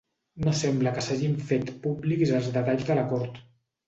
No sembla que s'hagin fet públics els detalls de l'acord.